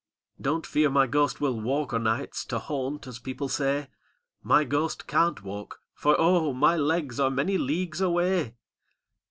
"Don't fear my ghost will walk o' nights To haunt, as people say; My ghost can't walk, for, oh ! my legs Are many leagues away!